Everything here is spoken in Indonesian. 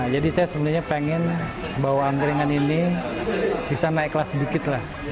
jadi saya sebenarnya pengen bawa amkeringan ini bisa naik kelas sedikit